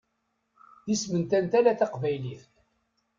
D isem n tantala taqbaylit.